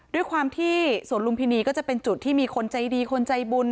ด้วยความที่สวนลุมพินีก็จะเป็นจุดที่มีคนใจดีคนใจบุญ